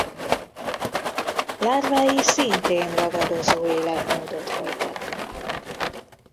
Lárvái szintén ragadozó életmódot folytatnak.